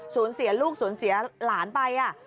สูญเสียลูกศูนย์เสียหลานไป